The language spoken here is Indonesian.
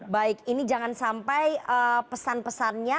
baik ini jangan sampai pesan pesannya